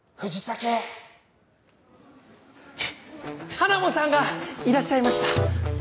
ハナモさんがいらっしゃいました。